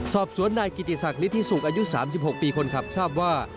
สอบสวนนายกิติศักดิธิสุขอายุ๓๖ปีคนขับทราบว่า